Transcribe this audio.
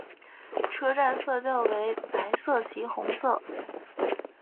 车站色调为白色及红色。